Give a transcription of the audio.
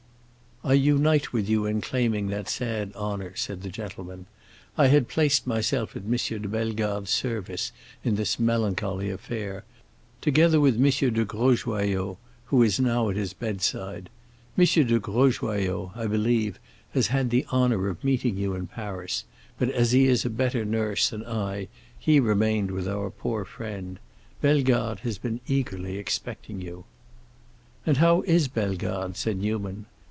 "I unite with you in claiming that sad honor," said the gentleman. "I had placed myself at M. de Bellegarde's service in this melancholy affair, together with M. de Grosjoyaux, who is now at his bedside. M. de Grosjoyaux, I believe, has had the honor of meeting you in Paris, but as he is a better nurse than I he remained with our poor friend. Bellegarde has been eagerly expecting you." "And how is Bellegarde?" said Newman.